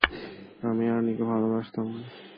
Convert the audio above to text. আমিও আর্নিকে ভালোবাসতাম।